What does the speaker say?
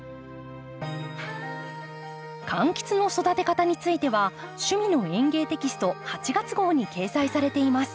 柑橘の育て方については「趣味の園芸」テキスト８月号に掲載されています。